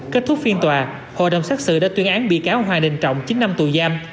kết thúc phiên tòa hội đồng xét xử đã tuyên án bị cáo hoàng đình trọng chín năm tù giam